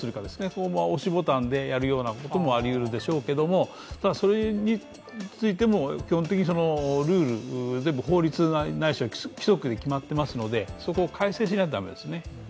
今後は押しボタンでやるようなこともありえると思いますけどそれについても基本的にルール、全部法律ないしは法律で決まっていますので、そこを改正しないと駄目ですね。